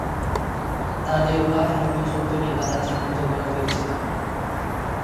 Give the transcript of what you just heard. তাদের "ওয়াহাবি" শব্দটি দ্বারা চিহ্নিত করা হয়েছিল।